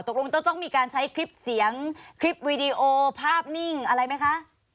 ตกลงต้องมีการใช้คลิปเสียงคลิปวีดีโอภาพนิ่งอะไรไหมคะ